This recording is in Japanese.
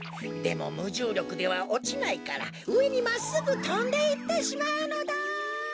でもむじゅうりょくではおちないからうえにまっすぐとんでいってしまうのだ。